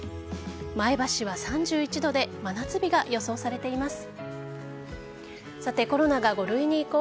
前橋は３１度で真夏日が予想されています。